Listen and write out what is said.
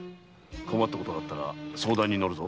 困ったことがあったら相談にのるぞ。